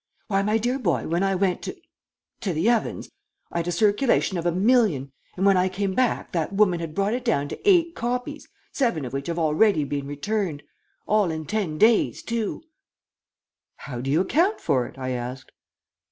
Why, my dear boy, when I went to to the ovens, I had a circulation of a million, and when I came back that woman had brought it down to eight copies, seven of which have already been returned. All in ten days, too." "How do you account for it?" I asked.